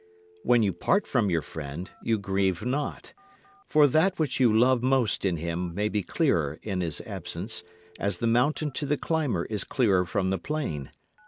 When you part from your friend, you grieve not; For that which you love most in him may be clearer in his absence, as the mountain to the climber is clearer from the plain.